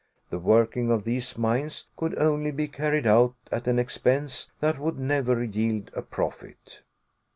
The working of these mines could only be carried out at an expense that would never yield a profit.